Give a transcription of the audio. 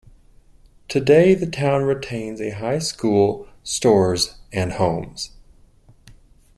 Today the town retains a high school, stores, and homes.